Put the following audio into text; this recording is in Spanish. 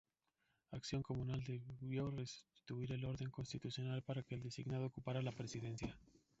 Acción Comunal debió restituir el orden constitucional para que el designado ocupara la presidencia.